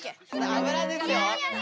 油ですよ！